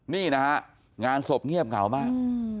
นี่นะฮะงานศพเงียบเหงามาก